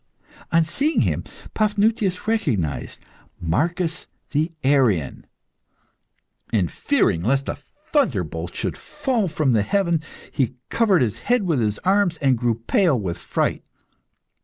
On seeing him, Paphnutius recognised Marcus the Arian, and fearing lest a thunderbolt should fall from heaven, he covered his head with his arms, and grew pale with fright.